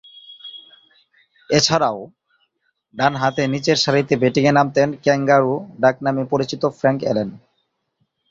এছাড়াও, ডানহাতে নিচেরসারিতে ব্যাটিংয়ে নামতেন ‘ক্যাঙ্গারু’ ডাকনামে পরিচিত ফ্রাঙ্ক অ্যালান।